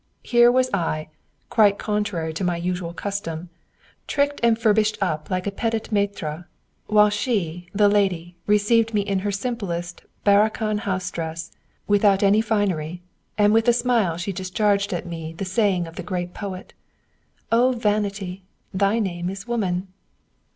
Here was I (quite contrary to my usual custom) tricked and furbished up like a "petit maître," while she, the lady, received me in her simplest barracan house dress, without any finery, and with a smile she discharged at me the saying of the great poet: "O Vanity! thy name is woman!"